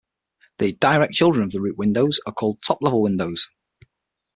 The direct children of the root window are called "top-level windows".